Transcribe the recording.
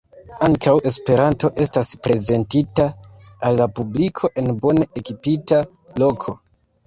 Ankaŭ Esperanto estas prezentita al la publiko en bone ekipita loko.